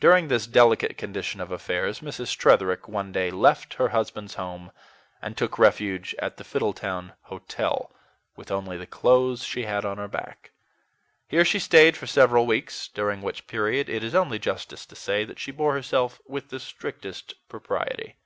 During this delicate condition of affairs, Mrs. Tretherick one day left her husband's home and took refuge at the Fiddletown Hotel, with only the clothes she had on her back. Here she staid for several weeks, during which period it is only justice to say that she bore herself with the strictest propriety.